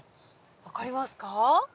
分かりますか？